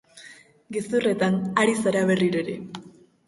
Gezurretan ari zara berriro ere.